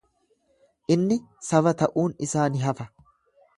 Inni saba ta'uun isaa ni hafa.